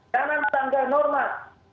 jangan melanggar normat